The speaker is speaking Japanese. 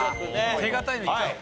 手堅いのいっちゃおう。